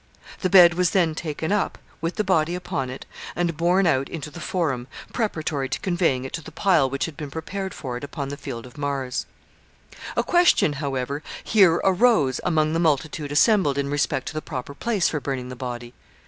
The bed was then taken up, with the body upon it, and borne out into the Forum, preparatory to conveying it to the pile which had been prepared for it upon the Field of Mars, A question, however, here arose among the multitude assembled in respect to the proper place for burning the body.